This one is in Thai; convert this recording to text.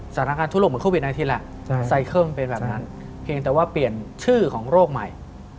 สถานการณ์ทั่วโลกเหมือนโควิด๑๙แหละไซเคิลมันเป็นแบบนั้นเพียงแต่ว่าเปลี่ยนชื่อของโรคใหม่